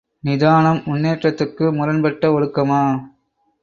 நிதானம் முன்னேற்றத்துக்கு முரண்பட்ட ஒழுக்கமா?